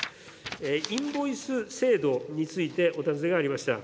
インボイス制度についてお尋ねがありました。